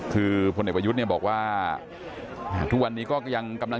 ทหลัยประยุทธ์บอกว่าทุกวันนี้รับกตัวนะ